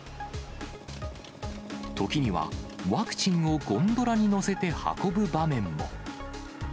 時にはワクチンをゴンドラに載せて運ぶ場面も。